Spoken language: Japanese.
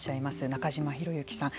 中島博之さん